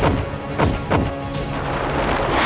jangan lupa untuk berlangganan